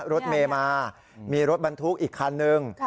รถเมย์มามีรถบรรทุกอีกคันนึง